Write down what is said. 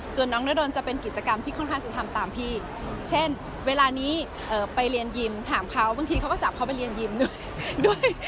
ส่วนน้องเนื้อดนจะเป็นกิจกรรมที่ค่อนข้างจะทำตามพี่เช่นเวลานี้ไปเรียนยิมถามเขาบางทีเขาก็จับเขาไปเรียนยิมด้วย